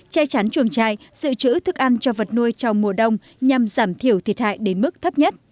che chắn chuồng trại dự trữ thức ăn cho vật nuôi trong mùa đông nhằm giảm thiểu thiệt hại đến mức thấp nhất